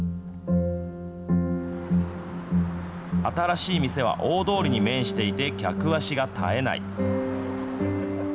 新しい店は大通りに面していて、客足が絶えない。